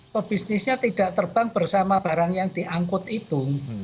pebisnisnya tidak terbang bersama barang yang diangkut itu